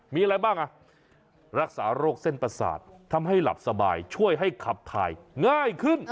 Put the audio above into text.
มีอะไรบ้างอ่ะรักษาโรคเส้นประสาททำให้หลับสบายช่วยให้ขับถ่ายง่ายขึ้น